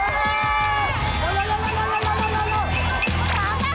โอ้โฮโอ้โฮโอ้โฮ